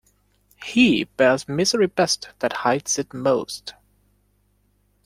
He bears misery best that hides it most.